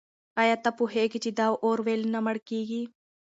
آیا ته پوهېږې چې دا اور ولې نه مړ کېږي؟